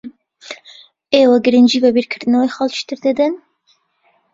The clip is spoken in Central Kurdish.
ئێوە گرنگی بە بیرکردنەوەی خەڵکی تر دەدەن؟